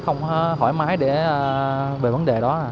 không hỏi mái về vấn đề đó